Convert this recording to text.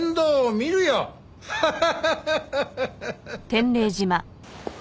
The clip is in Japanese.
ハハハハ！